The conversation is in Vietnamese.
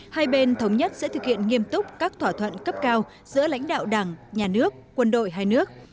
hai bên thống nhất sẽ thực hiện nghiêm túc các thỏa thuận cấp cao giữa lãnh đạo đảng nhà nước quân đội hai nước